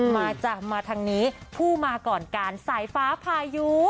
มาจ้ะมาทางนี้ผู้มาก่อนการสายฟ้าพายุ